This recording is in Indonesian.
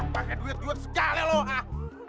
pakai duit duit sekali loh ah